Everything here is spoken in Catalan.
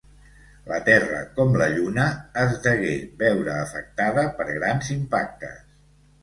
La Terra, com la Lluna, es degué veure afectada per grans impactes.